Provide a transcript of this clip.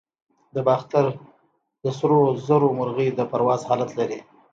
د باختر د سرو زرو مرغۍ د پرواز حالت لري